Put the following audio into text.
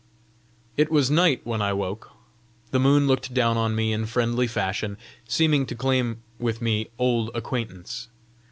It was night when I woke. The moon looked down on me in friendly fashion, seeming to claim with me old acquaintance.